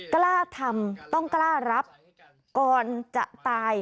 กล้าทำต้องกล้ารับก่อนจะตาย